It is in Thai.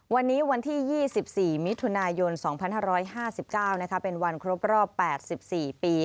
วันนี้วันที่๒๔มิถุนายน๒๕๕๙เป็นวันครบรอบ๘๔ปี